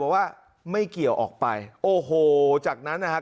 ว่าไม่เกี่ยวออกไปโอ้โหจากนั้นนะครับ